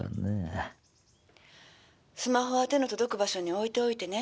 「スマホは手の届く場所に置いておいてね。